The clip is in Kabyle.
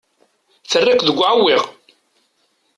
Terra-k deg uɛewwiq.